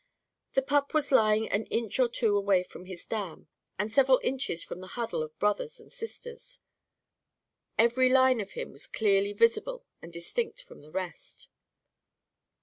The pup was lying an inch or two away from his dam, and several inches from the huddle of brothers and sisters. Every line of him was clearly visible and distinct from the rest.